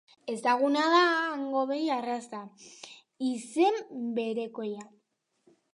Ezaguna da hango behi arraza, izen berekoa.